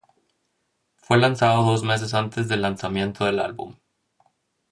Fue lanzado dos meses antes del lanzamiento del álbum.